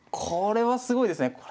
これはすごいですね。